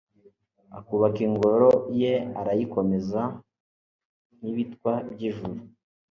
ahubaka ingoro ye, arayikomeza nk'ibitwa by'ijuru